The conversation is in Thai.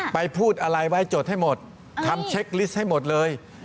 พูดอะไรไว้จดให้หมดทำเช็คลิสต์ให้หมดเลย